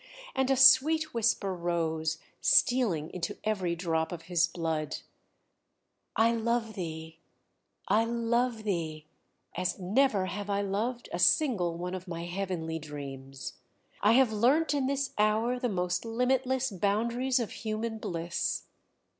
and a sweet whisper rose stealing into every drop of his blood: "I love thee, I love thee, as never have I loved a single one of my heavenly dreams; I have learnt in this hour the most limitless boundaries of human bliss.